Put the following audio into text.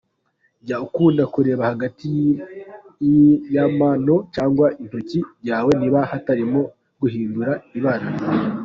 Jya ukunda kureba hagati y’amano cyangwa intoki byawe niba hatarimo guhindura ibara.